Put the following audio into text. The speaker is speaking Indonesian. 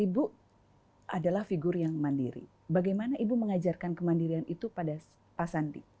ibu adalah figur yang mandiri bagaimana ibu mengajarkan kemandirian itu pada pak sandi